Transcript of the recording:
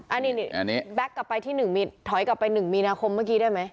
อันนี้แก๊กกลับไปที่๑มีถอยกลับไป๑มีนาคมเมื่อกี้ได้ไหม